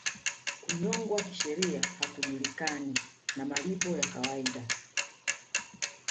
Kunyongwa kisheria hakujulikani na malipo ya kawaida